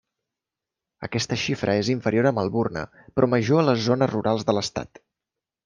Aquesta xifra és inferior a Melbourne, però major a les zones rurals de l'estat.